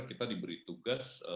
kita diberi tugas